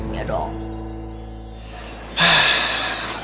iya juga ya